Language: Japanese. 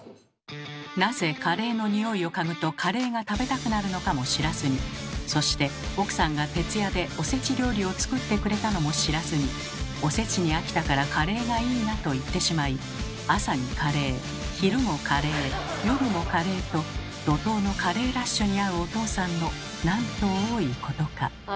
なぜカレーの匂いを嗅ぐとカレーが食べたくなるのかも知らずにそして奥さんが徹夜でおせち料理を作ってくれたのも知らずに「おせちに飽きたからカレーがいいな」と言ってしまい朝にカレー昼もカレー夜もカレーと怒とうのカレーラッシュにあうおとうさんのなんと多いことか。